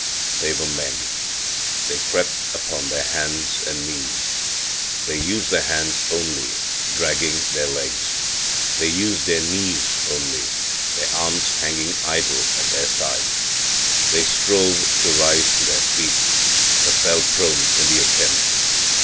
They were men. They crept upon their hands and knees. They used their hands only, dragging their legs. They used their knees only, their arms hanging idle at their sides. They strove to rise to their feet, but fell prone in the attempt.